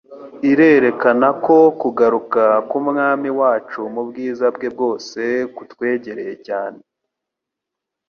irerekana ko kugaruka k'Umwami wacu mu bwiza bwe bwose kutwegereye cyane.